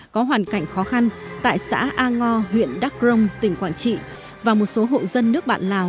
có hoàn cảnh khó khăn tại xã a ngo huyện đắk rông tỉnh quảng trị và một số hộ dân nước bạn lào